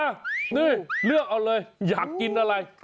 นี่เลือกเอาเลยอยากกินอะไร